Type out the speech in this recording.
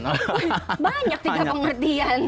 banyak tiga pengertian